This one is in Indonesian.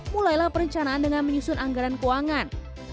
mulailah perencanaan dengan menyusun anggaran keuangan